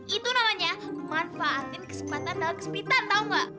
itu namanya manfaatin kesempatan dalam kesepitan tau gak